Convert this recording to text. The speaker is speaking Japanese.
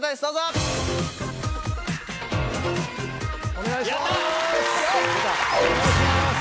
お願いします！